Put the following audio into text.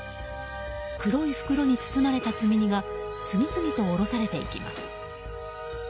黒い袋に包まれた積み荷が次々と降ろされていきます。